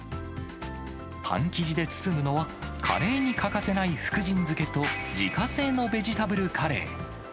パン生地で包むのは、カレーに欠かせない福神漬けと自家製のベジタブルカレー。